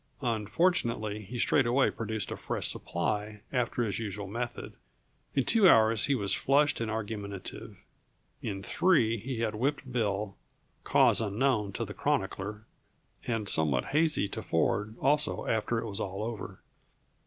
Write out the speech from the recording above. Unfortunately he straightway produced a fresh supply, after his usual method. In two hours he was flushed and argumentative. In three he had whipped Bill cause unknown to the chronicler, and somewhat hazy to Ford also after it was all over.